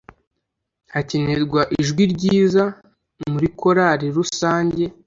hakenerwa ijwi ryiza murikorari rusange